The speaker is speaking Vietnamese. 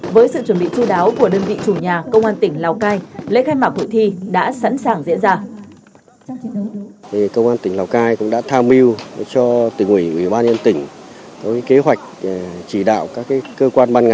với sự chuẩn bị chú đáo của đơn vị chủ nhà công an tỉnh lào cai lễ khai mạc hội thi đã sẵn sàng diễn ra